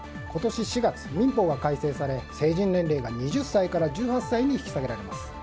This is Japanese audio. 今年４月、民法が改正され成人年齢が２０歳から１８歳に引き下げられます。